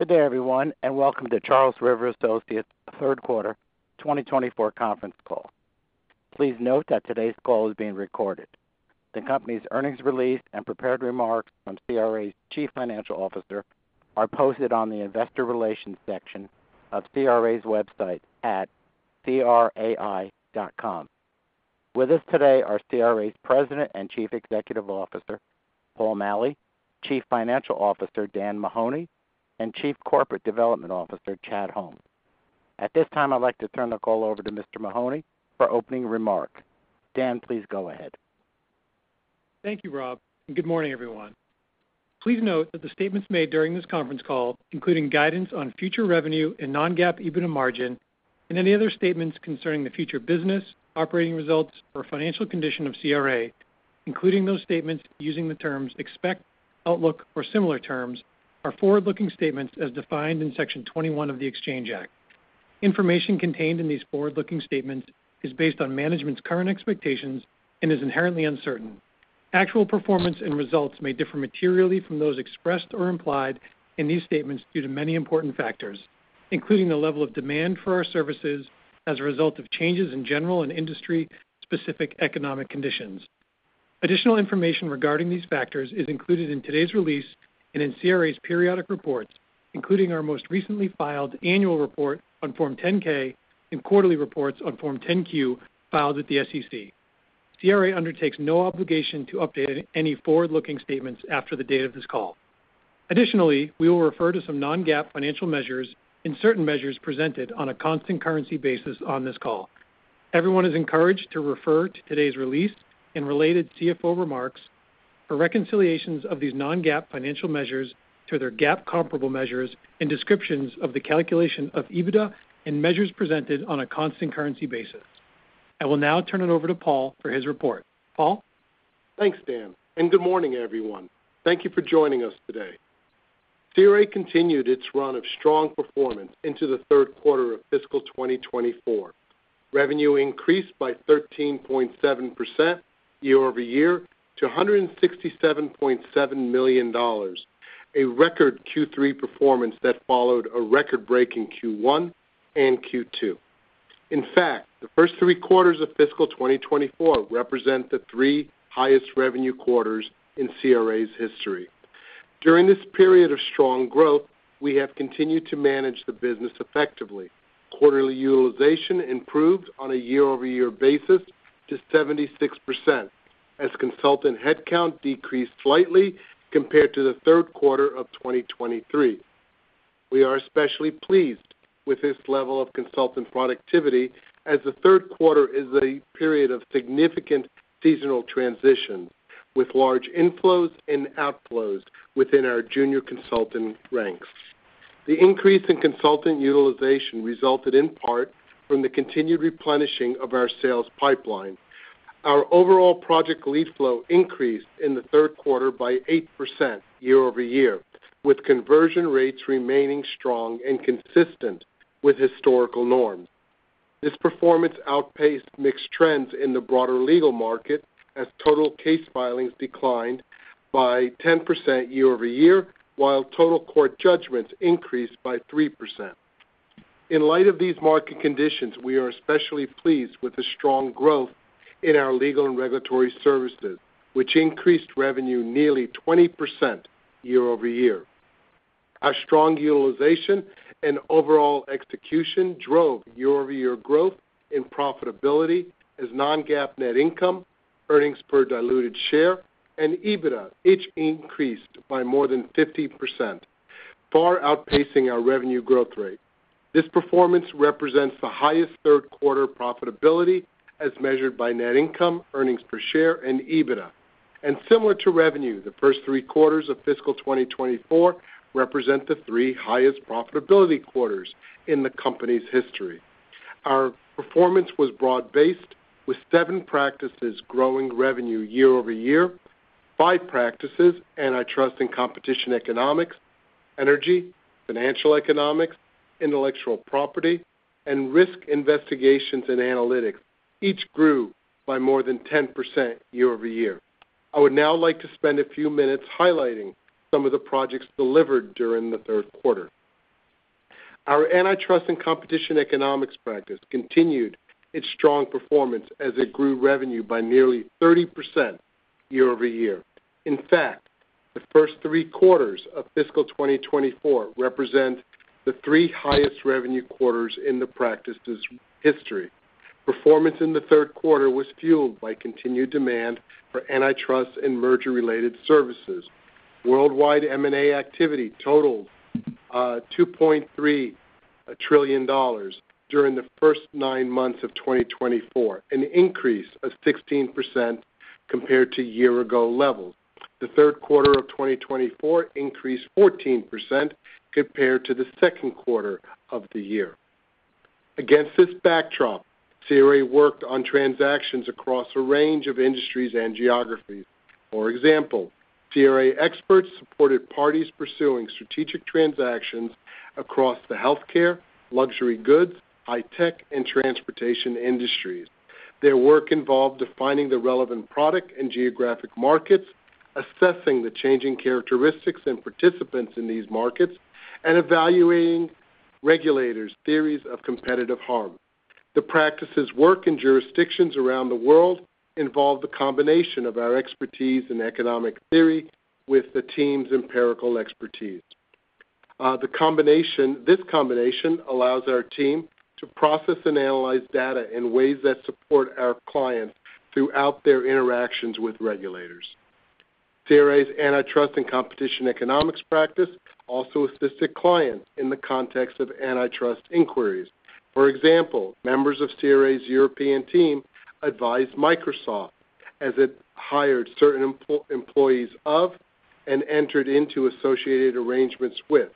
Good day, everyone, and Welcome to Charles River Associates' Third Quarter 2024 Conference Call. Please note that today's call is being recorded. The company's earnings release and prepared remarks from CRA's Chief Financial Officer are posted on the Investor Relations section of CRA's website at crai.com. With us today are CRA's President and Chief Executive Officer, Paul Maleh, Chief Financial Officer, Dan Mahoney, and Chief Corporate Development Officer, Chad Holmes. At this time, I'd like to turn the call over to Mr. Mahoney for opening remarks. Dan, please go ahead. Thank you, Rob. Good morning, everyone. Please note that the statements made during this conference call, including guidance on future revenue and non-GAAP EBITDA margin, and any other statements concerning the future business, operating results, or financial condition of CRA, including those statements using the terms expect, outlook, or similar terms, are forward-looking statements as defined in Section 21 of the Exchange Act. Information contained in these forward-looking statements is based on management's current expectations and is inherently uncertain. Actual performance and results may differ materially from those expressed or implied in these statements due to many important factors, including the level of demand for our services as a result of changes in general and industry-specific economic conditions. Additional information regarding these factors is included in today's release and in CRA's periodic reports, including our most recently filed annual report on Form 10-K and quarterly reports on Form 10-Q filed with the SEC. CRA undertakes no obligation to update any forward-looking statements after the date of this call. Additionally, we will refer to some non-GAAP financial measures and certain measures presented on a constant currency basis on this call. Everyone is encouraged to refer to today's release and related CFO remarks for reconciliations of these non-GAAP financial measures to their GAAP comparable measures and descriptions of the calculation of EBITDA and measures presented on a constant currency basis. I will now turn it over to Paul for his report. Paul? Thanks, Dan, and good morning, everyone. Thank you for joining us today. CRA continued its run of strong performance into the third quarter of fiscal 2024. Revenue increased by 13.7% year-over-year to $167.7 million, a record Q3 performance that followed a record-breaking Q1 and Q2. In fact, the first three quarters of fiscal 2024 represent the three highest revenue quarters in CRA's history. During this period of strong growth, we have continued to manage the business effectively. Quarterly utilization improved on a year-over-year basis to 76%, as consultant headcount decreased slightly compared to the third quarter of 2023. We are especially pleased with this level of consultant productivity, as the third quarter is a period of significant seasonal transition, with large inflows and outflows within our junior consultant ranks. The increase in consultant utilization resulted in part from the continued replenishing of our sales pipeline. Our overall project lead flow increased in the third quarter by 8% year-over-year, with conversion rates remaining strong and consistent with historical norms. This performance outpaced mixed trends in the broader legal market, as total case filings declined by 10% year-over-year, while total court judgments increased by 3%. In light of these market conditions, we are especially pleased with the strong growth in our legal and regulatory services, which increased revenue nearly 20% year-over-year. Our strong utilization and overall execution drove year-over-year growth in profitability, as non-GAAP net income, earnings per diluted share, and EBITDA each increased by more than 50%, far outpacing our revenue growth rate. This performance represents the highest third quarter profitability, as measured by net income, earnings per share, and EBITDA. And similar to revenue, the first three quarters of fiscal 2024 represent the three highest profitability quarters in the company's history. Our performance was broad-based, with seven practices growing revenue year-over-year: five practices, antitrust and competition economics, energy, financial economics, intellectual property, and risk investigations and analytics, each grew by more than 10% year-over-year. I would now like to spend a few minutes highlighting some of the projects delivered during the third quarter. Our antitrust and competition economics practice continued its strong performance, as it grew revenue by nearly 30% year-over-year. In fact, the first three quarters of fiscal 2024 represent the three highest revenue quarters in the practice's history. Performance in the third quarter was fueled by continued demand for antitrust and merger-related services. Worldwide M&A activity totaled $2.3 trillion during the first nine months of 2024, an increase of 16% compared to year-ago levels. The third quarter of 2024 increased 14% compared to the second quarter of the year. Against this backdrop, CRA worked on transactions across a range of industries and geographies. For example, CRA experts supported parties pursuing strategic transactions across the healthcare, luxury goods, high-tech, and transportation industries. Their work involved defining the relevant product and geographic markets, assessing the changing characteristics and participants in these markets, and evaluating regulators' theories of competitive harm. The practice's work in jurisdictions around the world involved the combination of our expertise in economic theory with the team's empirical expertise. This combination allows our team to process and analyze data in ways that support our clients throughout their interactions with regulators. CRA's antitrust and competition economics practice also assisted clients in the context of antitrust inquiries. For example, members of CRA's European team advised Microsoft as it hired certain employees of and entered into associated arrangements with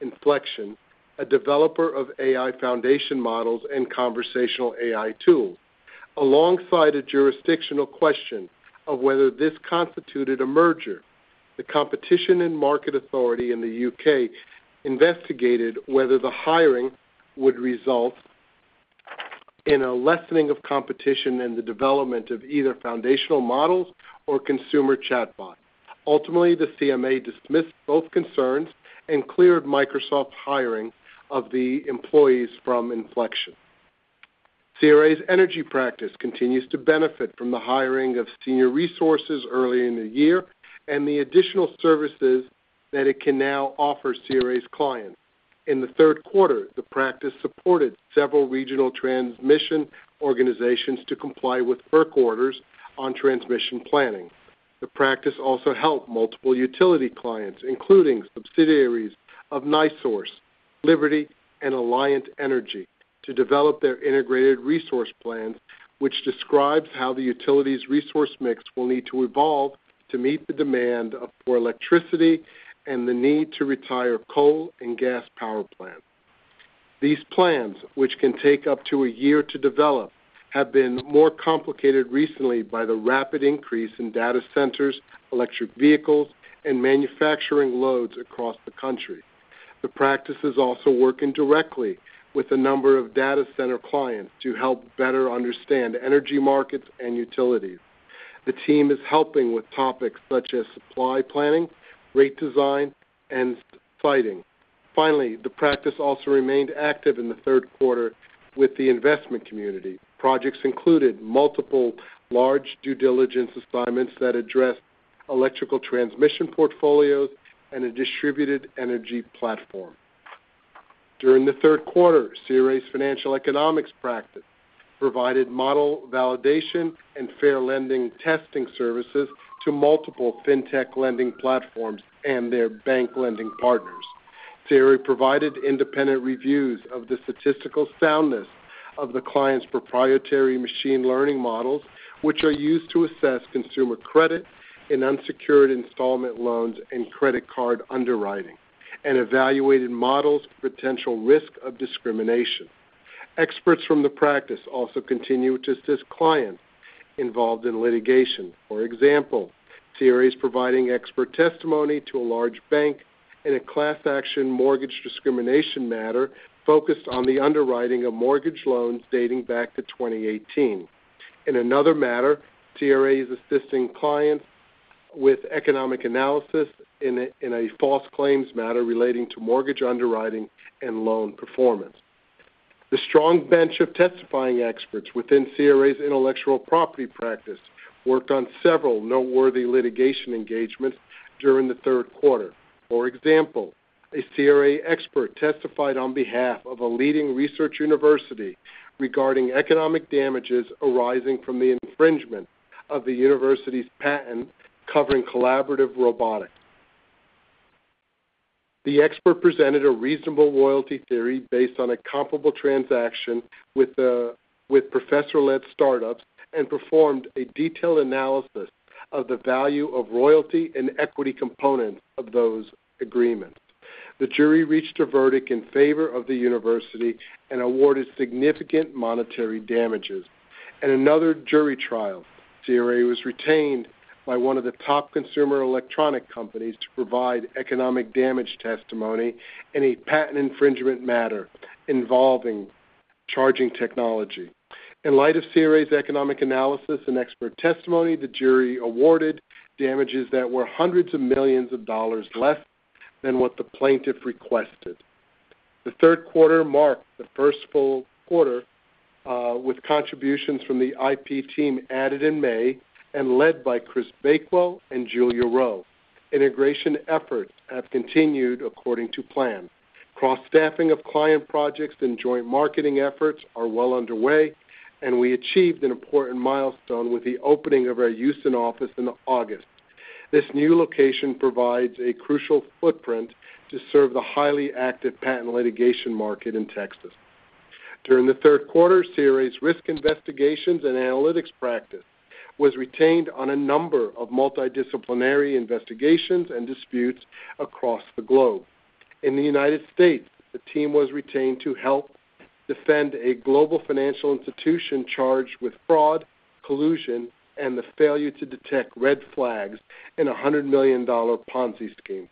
Inflection, a developer of AI foundation models and conversational AI tools, alongside a jurisdictional question of whether this constituted a merger. The Competition and Markets Authority in the U.K. investigated whether the hiring would result in a lessening of competition and the development of either foundational models or consumer chatbots. Ultimately, the CMA dismissed both concerns and cleared Microsoft hiring of the employees from Inflection. CRA's energy practice continues to benefit from the hiring of senior resources early in the year and the additional services that it can now offer CRA's clients. In the third quarter, the practice supported several regional transmission organizations to comply with work orders on transmission planning. The practice also helped multiple utility clients, including subsidiaries of NiSource, Liberty, and Alliant Energy, to develop their integrated resource plan, which describes how the utility's resource mix will need to evolve to meet the demand for electricity and the need to retire coal and gas power plants. These plans, which can take up to a year to develop, have been more complicated recently by the rapid increase in data centers, electric vehicles, and manufacturing loads across the country. The practice is also working directly with a number of data center clients to help better understand energy markets and utilities. The team is helping with topics such as supply planning, rate design, and siting. Finally, the practice also remained active in the third quarter with the investment community. Projects included multiple large due diligence assignments that addressed electrical transmission portfolios and a distributed energy platform. During the third quarter, CRA's financial economics practice provided model validation and fair lending testing services to multiple fintech lending platforms and their bank lending partners. CRA provided independent reviews of the statistical soundness of the client's proprietary machine learning models, which are used to assess consumer credit and unsecured installment loans and credit card underwriting, and evaluated models for potential risk of discrimination. Experts from the practice also continue to assist clients involved in litigation. For example, CRA is providing expert testimony to a large bank in a class action mortgage discrimination matter focused on the underwriting of mortgage loans dating back to 2018. In another matter, CRA is assisting clients with economic analysis in a false claims matter relating to mortgage underwriting and loan performance. The strong bench of testifying experts within CRA's intellectual property practice worked on several noteworthy litigation engagements during the third quarter. For example, a CRA expert testified on behalf of a leading research university regarding economic damages arising from the infringement of the university's patent covering collaborative robotics. The expert presented a reasonable royalty theory based on a comparable transaction with professor-led startups and performed a detailed analysis of the value of royalty and equity components of those agreements. The jury reached a verdict in favor of the university and awarded significant monetary damages. In another jury trial, CRA was retained by one of the top consumer electronic companies to provide economic damage testimony in a patent infringement matter involving charging technology. In light of CRA's economic analysis and expert testimony, the jury awarded damages that were hundreds of millions of dollars less than what the plaintiff requested. The third quarter marked the first full quarter with contributions from the IP team added in May and led by Chris Bakewell and Julia Rowe. Integration efforts have continued according to plan. Cross-staffing of client projects and joint marketing efforts are well underway, and we achieved an important milestone with the opening of our Houston office in August. This new location provides a crucial footprint to serve the highly active patent litigation market in Texas. During the third quarter, CRA's risk investigations and analytics practice was retained on a number of multidisciplinary investigations and disputes across the globe. In the United States, the team was retained to help defend a global financial institution charged with fraud, collusion, and the failure to detect red flags in a $100 million Ponzi scheme.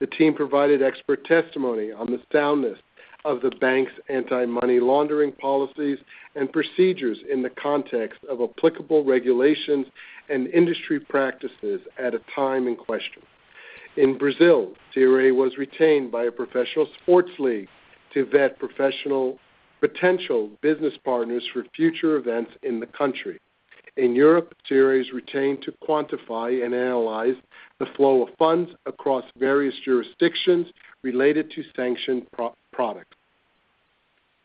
The team provided expert testimony on the soundness of the bank's anti-money laundering policies and procedures in the context of applicable regulations and industry practices at a time in question. In Brazil, CRA was retained by a professional sports league to vet professional potential business partners for future events in the country. In Europe, CRA is retained to quantify and analyze the flow of funds across various jurisdictions related to sanctioned products.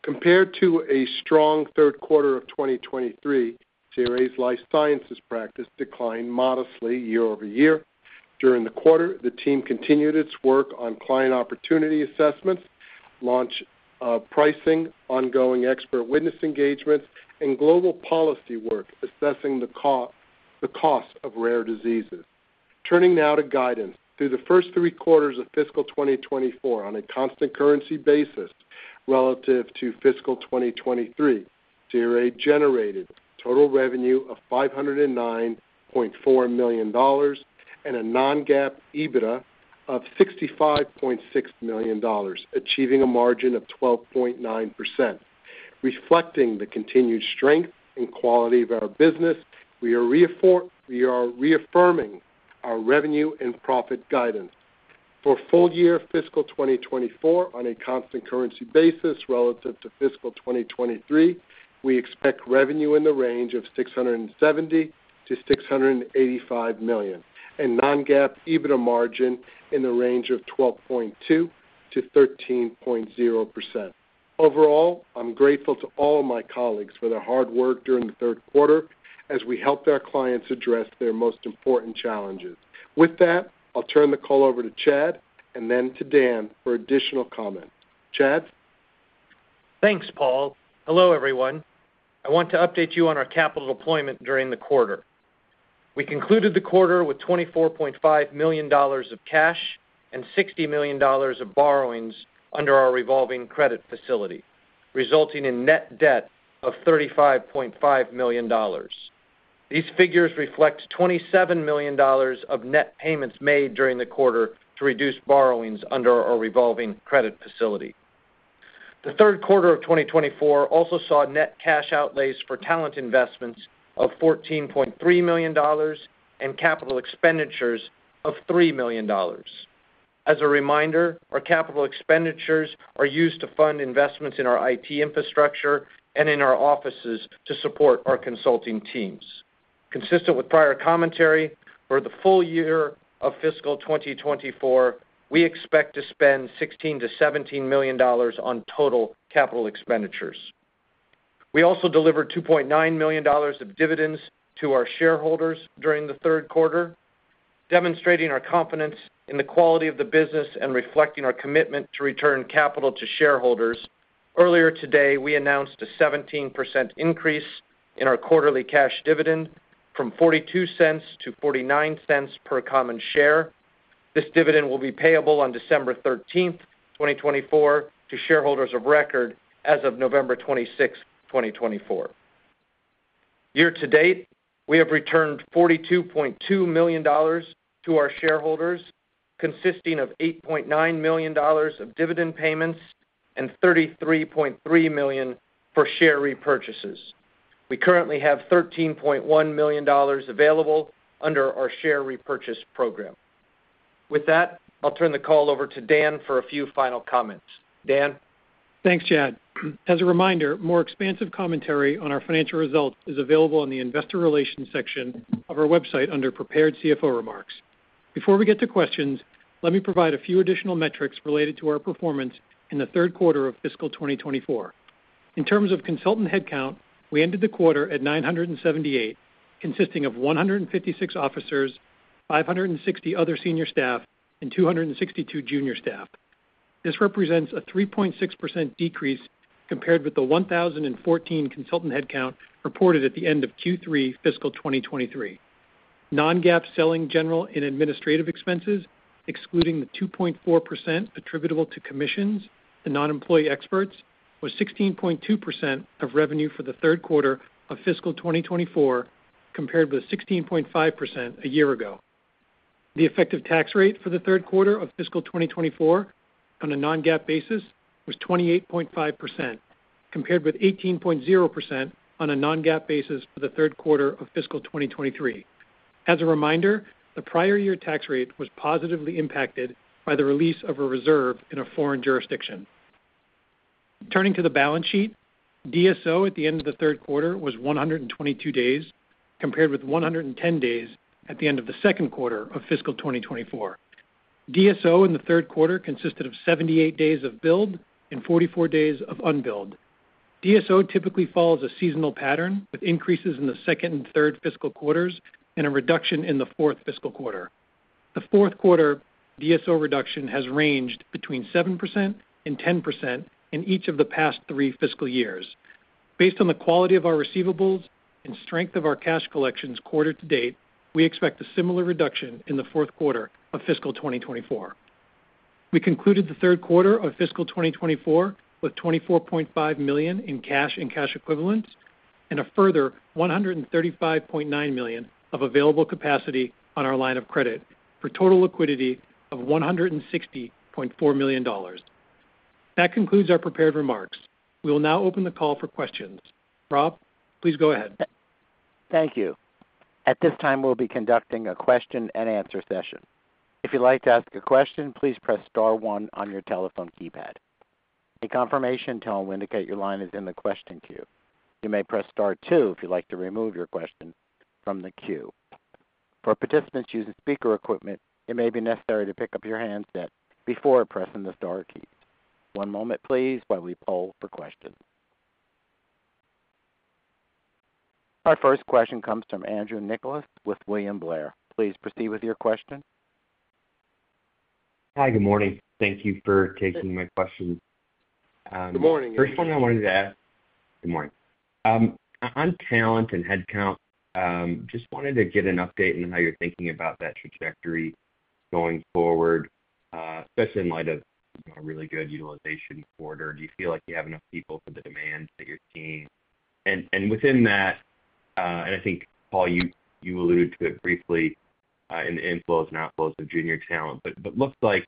Compared to a strong third quarter of 2023, CRA's life sciences practice declined modestly year-over-year. During the quarter, the team continued its work on client opportunity assessments, launch pricing, ongoing expert witness engagements, and global policy work assessing the cost of rare diseases. Turning now to guidance, through the first three quarters of fiscal 2024, on a constant currency basis relative to fiscal 2023, CRA generated total revenue of $509.4 million and a non-GAAP EBITDA of $65.6 million, achieving a margin of 12.9%. Reflecting the continued strength and quality of our business, we are reaffirming our revenue and profit guidance. For full year fiscal 2024, on a constant currency basis relative to fiscal 2023, we expect revenue in the range of $670 million-$685 million and non-GAAP EBITDA margin in the range of 12.2%-13.0%. Overall, I'm grateful to all of my colleagues for their hard work during the third quarter as we helped our clients address their most important challenges. With that, I'll turn the call over to Chad and then to Dan for additional comment. Chad? Thanks, Paul. Hello, everyone. I want to update you on our capital deployment during the quarter. We concluded the quarter with $24.5 million of cash and $60 million of borrowings under our revolving credit facility, resulting in net debt of $35.5 million. These figures reflect $27 million of net payments made during the quarter to reduce borrowings under our revolving credit facility. The third quarter of 2024 also saw net cash outlays for talent investments of $14.3 million and capital expenditures of $3 million. As a reminder, our capital expenditures are used to fund investments in our IT infrastructure and in our offices to support our consulting teams. Consistent with prior commentary, for the full year of fiscal 2024, we expect to spend $16 million-$17 million on total capital expenditures. We also delivered $2.9 million of dividends to our shareholders during the third quarter, demonstrating our confidence in the quality of the business and reflecting our commitment to return capital to shareholders. Earlier today, we announced a 17% increase in our quarterly cash dividend from $0.42 to $0.49 per common share. This dividend will be payable on December 13, 2024, to shareholders of record as of November 26, 2024. Year-to-date, we have returned $42.2 million to our shareholders, consisting of $8.9 million of dividend payments and $33.3 million for share repurchases. We currently have $13.1 million available under our share repurchase program. With that, I'll turn the call over to Dan for a few final comments. Dan. Thanks, Chad. As a reminder, more expansive commentary on our financial results is available in the investor relations section of our website under prepared CFO remarks. Before we get to questions, let me provide a few additional metrics related to our performance in the third quarter of fiscal 2024. In terms of consultant headcount, we ended the quarter at 978, consisting of 156 officers, 560 other senior staff, and 262 junior staff. This represents a 3.6% decrease compared with the 1,014 consultant headcount reported at the end of Q3 fiscal 2023. Non-GAAP selling general and administrative expenses, excluding the 2.4% attributable to commissions to non-employee experts, was 16.2% of revenue for the third quarter of fiscal 2024, compared with 16.5% a year ago. The effective tax rate for the third quarter of fiscal 2024 on a non-GAAP basis was 28.5%, compared with 18.0% on a non-GAAP basis for the third quarter of fiscal 2023. As a reminder, the prior year tax rate was positively impacted by the release of a reserve in a foreign jurisdiction. Turning to the balance sheet, DSO at the end of the third quarter was 122 days, compared with 110 days at the end of the second quarter of fiscal 2024. DSO in the third quarter consisted of 78 days of billed and 44 days of unbilled. DSO typically follows a seasonal pattern with increases in the second and third fiscal quarters and a reduction in the fourth fiscal quarter. The fourth quarter DSO reduction has ranged between 7% and 10% in each of the past three fiscal years. Based on the quality of our receivables and strength of our cash collections quarter-to-date, we expect a similar reduction in the fourth quarter of fiscal 2024. We concluded the third quarter of fiscal 2024 with $24.5 million in cash and cash equivalents and a further $135.9 million of available capacity on our line of credit for total liquidity of $160.4 million. That concludes our prepared remarks. We will now open the call for questions. Rob, please go ahead. Thank you. At this time, we'll be conducting a question and answer session. If you'd like to ask a question, please press star one on your telephone keypad. A confirmation tone will indicate your line is in the question queue. You may press star two if you'd like to remove your question from the queue. For participants using speaker equipment, it may be necessary to pick up your handset before pressing the star key. One moment, please, while we poll for questions. Our first question comes from Andrew Nicholas with William Blair. Please proceed with your question. Hi, good morning. Thank you for taking my question. Good morning. First thing I wanted to ask, good morning. On talent and headcount, just wanted to get an update on how you're thinking about that trajectory going forward, especially in light of a really good utilization quarter. Do you feel like you have enough people for the demand that you're seeing? And within that, and I think, Paul, you alluded to it briefly in the inflows and outflows of junior talent, but it looks like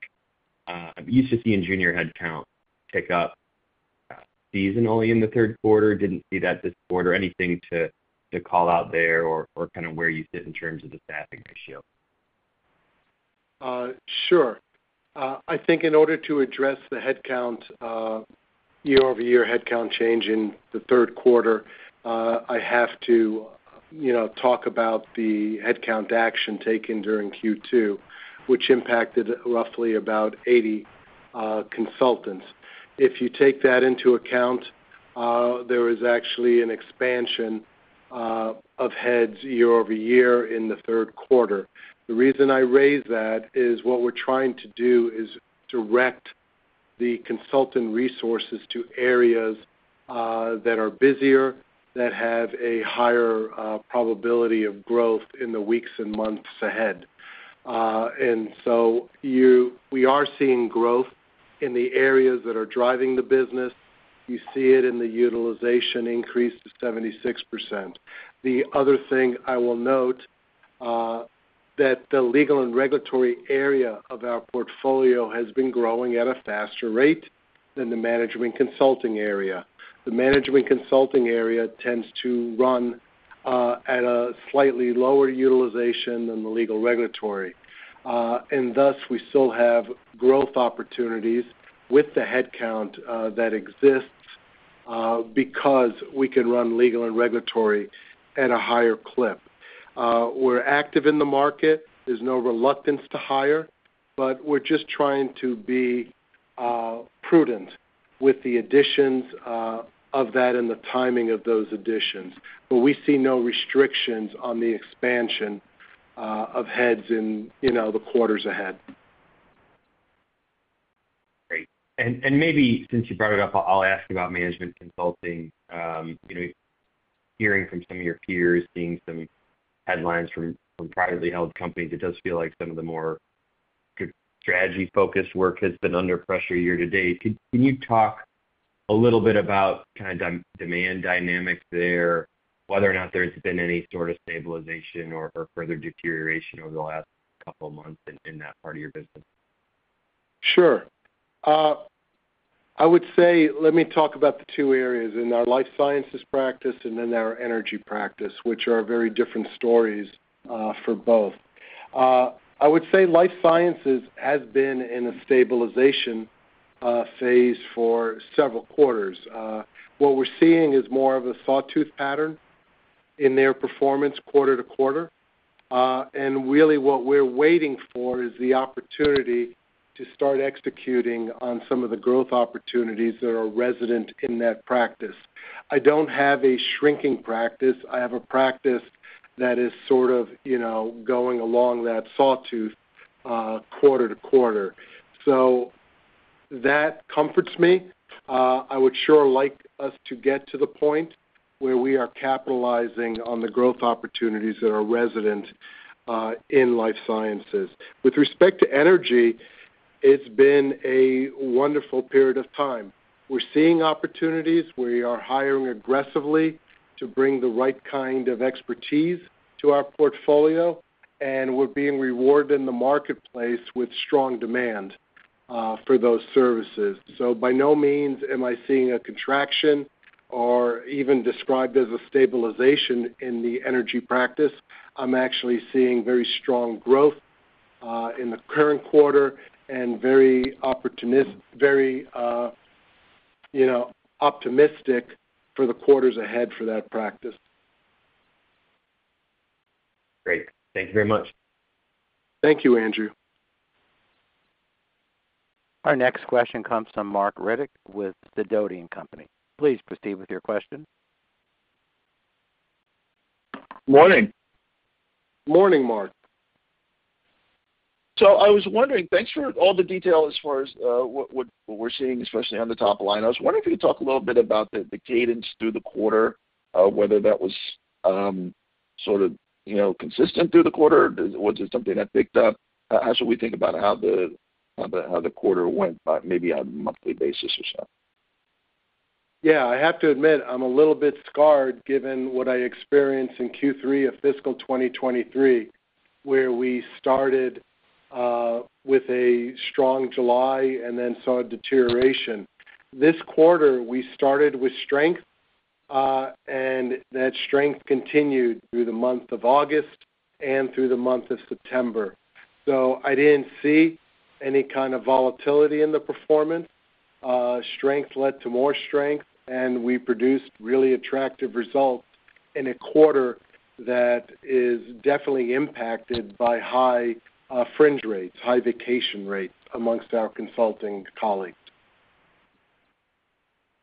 you used to see in junior headcount pick up seasonally in the third quarter. Didn't see that this quarter. Anything to call out there or kind of where you sit in terms of the staffing ratio? Sure. I think in order to address the headcount, year-over-year headcount change in the third quarter, I have to talk about the headcount action taken during Q2, which impacted roughly about 80 consultants. If you take that into account, there was actually an expansion of heads year-over-year in the third quarter. The reason I raise that is what we're trying to do is direct the consultant resources to areas that are busier, that have a higher probability of growth in the weeks and months ahead. And so we are seeing growth in the areas that are driving the business. You see it in the utilization increase to 76%. The other thing I will note is that the legal and regulatory area of our portfolio has been growing at a faster rate than the management consulting area. The management consulting area tends to run at a slightly lower utilization than the legal regulatory, and thus, we still have growth opportunities with the headcount that exists because we can run legal and regulatory at a higher clip. We're active in the market. There's no reluctance to hire, but we're just trying to be prudent with the additions of that and the timing of those additions, but we see no restrictions on the expansion of heads in the quarters ahead. Great. And maybe since you brought it up, I'll ask about management consulting. Hearing from some of your peers, seeing some headlines from privately held companies, it does feel like some of the more strategy-focused work has been under pressure year-to-date. Can you talk a little bit about kind of demand dynamics there, whether or not there's been any sort of stabilization or further deterioration over the last couple of months in that part of your business? Sure. I would say, let me talk about the two areas: our life sciences practice and then our energy practice, which are very different stories for both. I would say life sciences has been in a stabilization phase for several quarters. What we're seeing is more of a sawtooth pattern in their performance quarter-to-quarter. And really, what we're waiting for is the opportunity to start executing on some of the growth opportunities that are resident in that practice. I don't have a shrinking practice. I have a practice that is sort of going along that sawtooth quarter-to-quarter. So that comforts me. I would sure like us to get to the point where we are capitalizing on the growth opportunities that are resident in life sciences. With respect to energy, it's been a wonderful period of time. We're seeing opportunities. We are hiring aggressively to bring the right kind of expertise to our portfolio, and we're being rewarded in the marketplace with strong demand for those services, so by no means am I seeing a contraction or even described as a stabilization in the energy practice. I'm actually seeing very strong growth in the current quarter and very optimistic for the quarters ahead for that practice. Great. Thank you very much. Thank you, Andrew. Our next question comes from Marc Riddick with Sidoti & Company. Please proceed with your question. Morning. Morning, Marc. I was wondering, thanks for all the detail as far as what we're seeing, especially on the top line. I was wondering if you could talk a little bit about the cadence through the quarter, whether that was sort of consistent through the quarter, or was it something that picked up? How should we think about how the quarter went on a monthly basis or so? Yeah, I have to admit, I'm a little bit scarred given what I experienced in Q3 of fiscal 2023, where we started with a strong July and then saw a deterioration. This quarter, we started with strength, and that strength continued through the month of August and through the month of September. So I didn't see any kind of volatility in the performance. Strength led to more strength, and we produced really attractive results in a quarter that is definitely impacted by high fringe rates, high vacation rates amongst our consulting colleagues.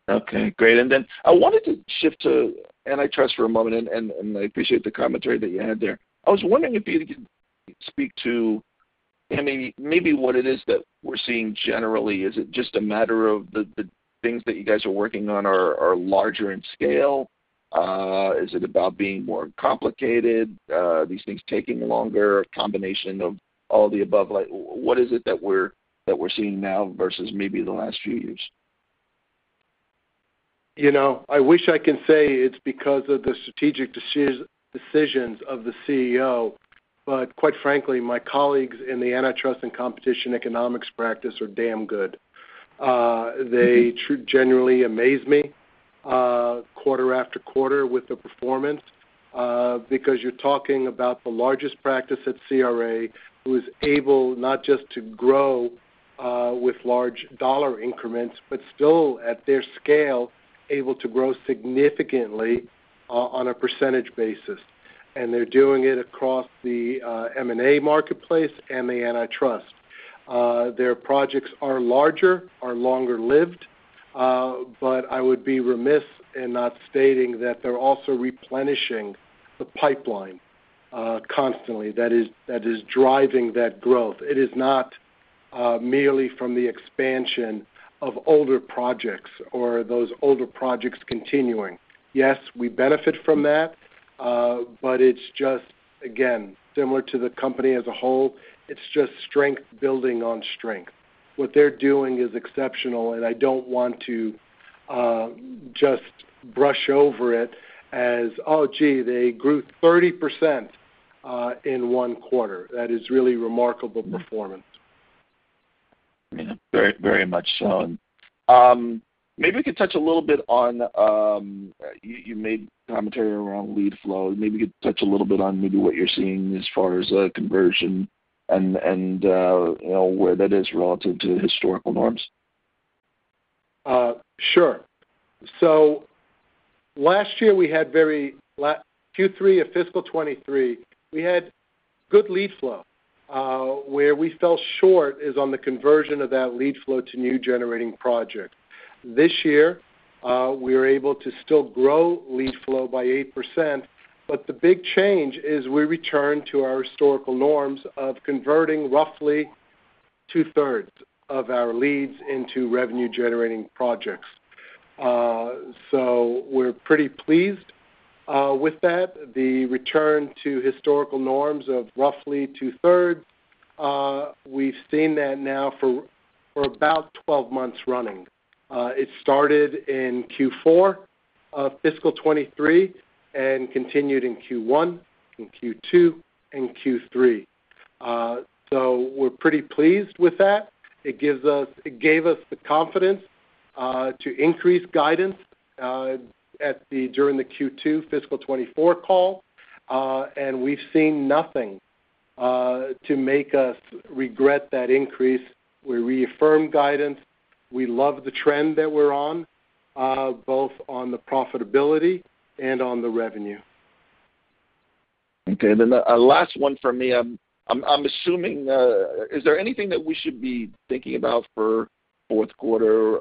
Okay. Great. And then I wanted to shift to antitrust for a moment, and I appreciate the commentary that you had there. I was wondering if you could speak to maybe what it is that we're seeing generally. Is it just a matter of the things that you guys are working on are larger in scale? Is it about being more complicated? These things taking longer, a combination of all the above? What is it that we're seeing now versus maybe the last few years? I wish I can say it's because of the strategic decisions of the CEO, but quite frankly, my colleagues in the antitrust and competition economics practice are damn good. They genuinely amaze me quarter after quarter with the performance because you're talking about the largest practice at CRA who is able not just to grow with large dollar increments, but still, at their scale, able to grow significantly on a percentage basis, and they're doing it across the M&A marketplace and the antitrust. Their projects are larger, are longer lived, but I would be remiss in not stating that they're also replenishing the pipeline constantly that is driving that growth. It is not merely from the expansion of older projects or those older projects continuing. Yes, we benefit from that, but it's just, again, similar to the company as a whole, it's just strength building on strength. What they're doing is exceptional, and I don't want to just brush over it as, "Oh, gee, they grew 30% in one quarter." That is really remarkable performance. I mean, very much so. Maybe we could touch a little bit on you made commentary around lead flow. Maybe we could touch a little bit on maybe what you're seeing as far as conversion and where that is relative to historical norms. Sure. So last year, we had Q3 of fiscal 2023. We had good lead flow. Where we fell short is on the conversion of that lead flow to new generating projects. This year, we were able to still grow lead flow by 8%, but the big change is we returned to our historical norms of converting roughly two-thirds of our leads into revenue-generating projects. So we're pretty pleased with that. The return to historical norms of roughly two-thirds, we've seen that now for about 12 months running. It started in Q4 of fiscal 2023 and continued in Q1, in Q2, and Q3. So we're pretty pleased with that. It gave us the confidence to increase guidance during the Q2 fiscal 2024 call, and we've seen nothing to make us regret that increase. We reaffirmed guidance. We love the trend that we're on, both on the profitability and on the revenue. Okay. And then a last one for me. I'm assuming, is there anything that we should be thinking about for fourth quarter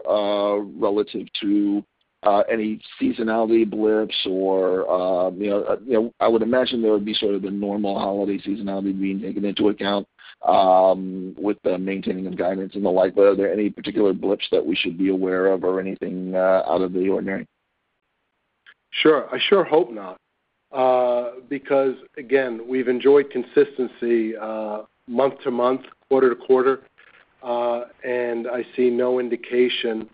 relative to any seasonality blips? Or I would imagine there would be sort of the normal holiday seasonality being taken into account with the maintaining of guidance and the like. But are there any particular blips that we should be aware of or anything out of the ordinary? Sure. I sure hope not because, again, we've enjoyed consistency month to month, quarter-to-quarter, and I see no indication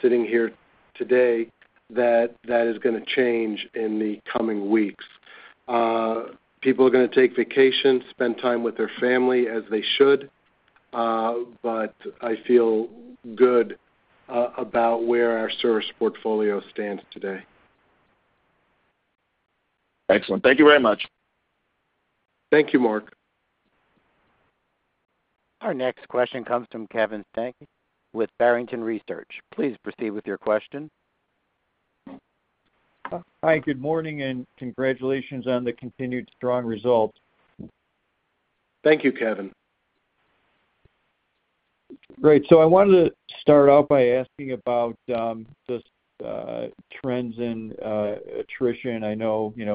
sitting here today that that is going to change in the coming weeks. People are going to take vacation, spend time with their family as they should, but I feel good about where our service portfolio stands today. Excellent. Thank you very much. Thank you, Marc. Our next question comes from Kevin Steinke with Barrington Research. Please proceed with your question. Hi. Good morning and congratulations on the continued strong results. Thank you, Kevin. Great. So I wanted to start out by asking about just trends in attrition. I know you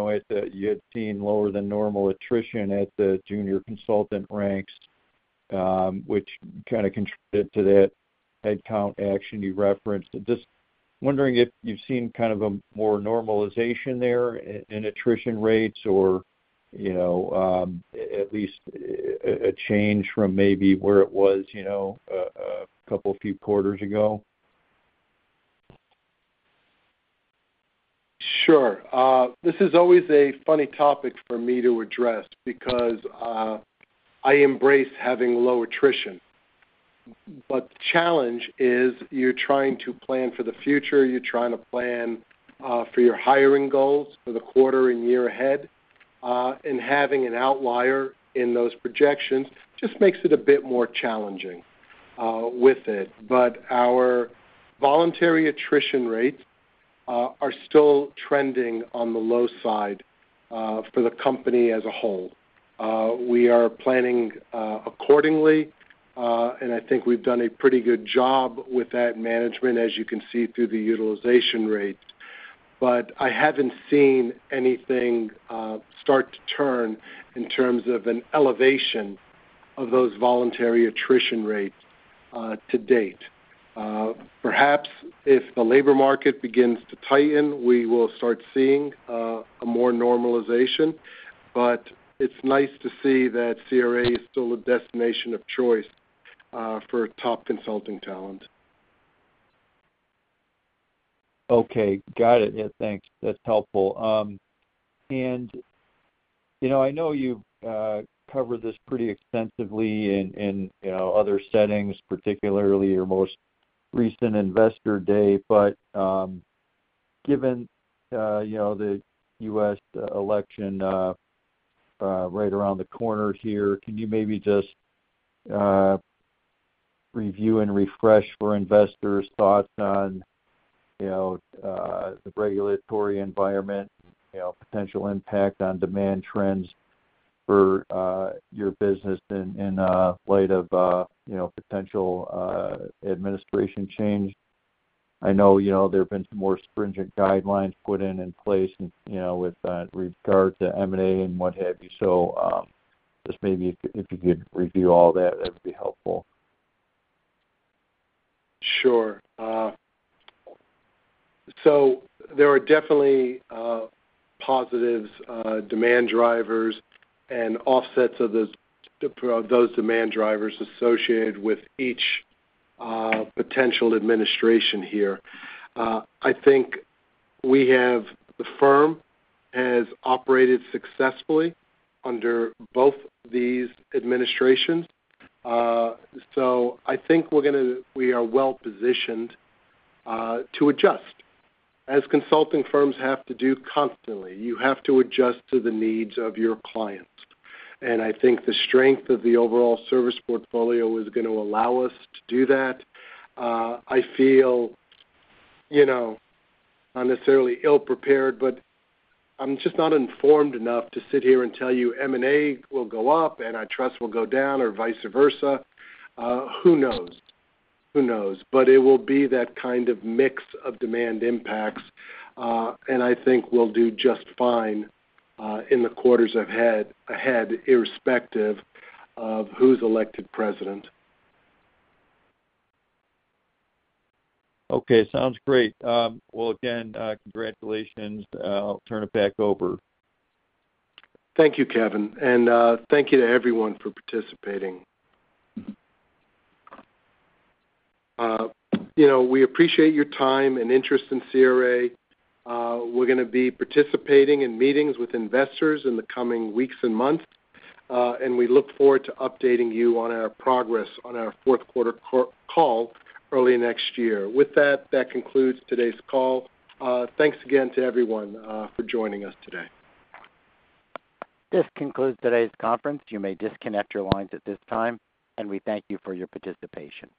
had seen lower than normal attrition at the junior consultant ranks, which kind of contributed to that headcount action you referenced. Just wondering if you've seen kind of a more normalization there in attrition rates or at least a change from maybe where it was a couple of few quarters ago? Sure. This is always a funny topic for me to address because I embrace having low attrition. But the challenge is you're trying to plan for the future. You're trying to plan for your hiring goals for the quarter and year ahead, and having an outlier in those projections just makes it a bit more challenging with it. But our voluntary attrition rates are still trending on the low side for the company as a whole. We are planning accordingly, and I think we've done a pretty good job with that management, as you can see through the utilization rates. But I haven't seen anything start to turn in terms of an elevation of those voluntary attrition rates to date. Perhaps if the labor market begins to tighten, we will start seeing a more normalization. But it's nice to see that CRA is still a destination of choice for top consulting talent. Okay. Got it. Yeah. Thanks. That's helpful. And I know you've covered this pretty extensively in other settings, particularly your most recent investor day. But given the U.S. election right around the corner here, can you maybe just review and refresh for investors' thoughts on the regulatory environment, potential impact on demand trends for your business in light of potential administration change? I know there have been some more stringent guidelines put in place with regard to M&A and what have you. So just maybe if you could review all that, that would be helpful. Sure. So there are definitely positives, demand drivers, and offsets of those demand drivers associated with each potential administration here. I think the firm has operated successfully under both these administrations. So I think we are well positioned to adjust, as consulting firms have to do constantly. You have to adjust to the needs of your clients. And I think the strength of the overall service portfolio is going to allow us to do that. I feel not necessarily ill-prepared, but I'm just not informed enough to sit here and tell you M&A will go up and antitrust will go down or vice versa. Who knows? Who knows? But it will be that kind of mix of demand impacts, and I think we'll do just fine in the quarters ahead irrespective of who's elected president. Okay. Sounds great. Well, again, congratulations. I'll turn it back over. Thank you, Kevin. And thank you to everyone for participating. We appreciate your time and interest in CRA. We're going to be participating in meetings with investors in the coming weeks and months, and we look forward to updating you on our progress on our fourth quarter call early next year. With that, that concludes today's call. Thanks again to everyone for joining us today. This concludes today's conference. You may disconnect your lines at this time, and we thank you for your participation.